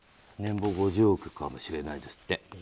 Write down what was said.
年俸５０億かもしれないですって。